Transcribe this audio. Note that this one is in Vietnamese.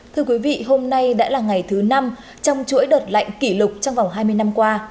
thưa quý vị hôm nay đã là ngày thứ năm trong chuỗi đợt lạnh kỷ lục trong vòng hai mươi năm qua